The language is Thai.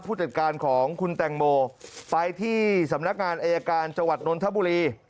ผู้จัดการของคุณแตงโมไปที่สำนักงานอายการจังหวัดนนทบุรี